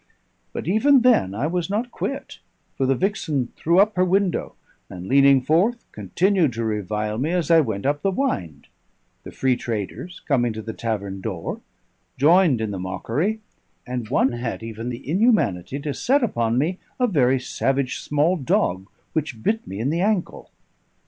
But even then I was not quit, for the vixen threw up her window, and, leaning forth, continued to revile me as I went up the wynd; the free traders, coming to the tavern door, joined in the mockery, and one had even the inhumanity to set upon me a very savage small dog, which bit me in the ankle.